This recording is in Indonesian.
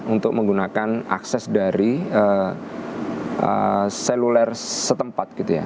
untuk menggunakan akses dari seluler setempat gitu ya